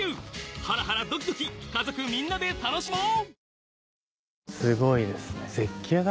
ハラハラドキドキ家族みんなで楽しもう！